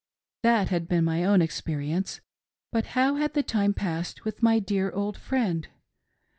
That had been my own ex perience ; but how had the time passed with my dear old friend